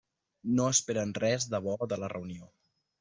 No esperen res de bo de la reunió.